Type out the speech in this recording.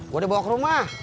gua dibawa ke rumah